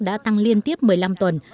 đã tăng liên tiếp một mươi năm tuần